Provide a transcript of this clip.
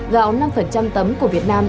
gạo năm tấm của việt nam